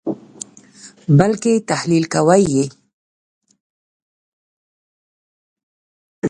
بلکې تحلیل کوئ یې.